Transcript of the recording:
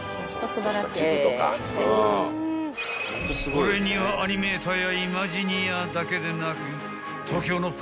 ［これにはアニメーターやイマジニアだけでなく］